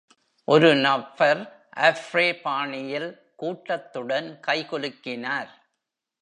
ஒரு நபர் அஃப்ரொ பாணியில் கூட்டத்துடன் கைகுலுக்கினார்.